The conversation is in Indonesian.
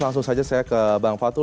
langsung saja saya ke bang fatul